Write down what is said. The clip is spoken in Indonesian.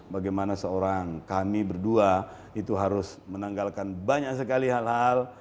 bagaimana seorang kami berdua itu harus menanggalkan banyak hal